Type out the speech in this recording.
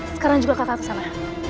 sekarang juga kakak kesana